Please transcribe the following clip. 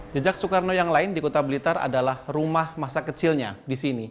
jejak soekarno yang lain di kota blitar adalah rumah masa kecilnya di sini